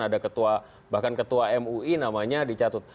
ada ketua bahkan ketua mui namanya dicatut